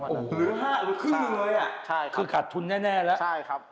โอ้โหเหลือ๕หรือครึ่งเลยอ่ะใช่คือขาดทุนแน่แล้วใช่ครับ